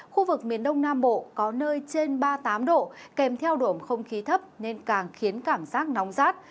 khu vực miền đông nam bộ có nơi trên ba mươi tám độ kèm theo độ ẩm không khí thấp nên càng khiến cảm giác nóng rát